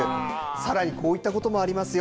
さらにこういったこともありますよ。